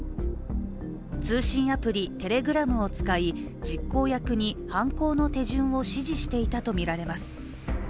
通信アプリ、テレグラムを使い、実行役に犯行の手順を指示していたとみられます。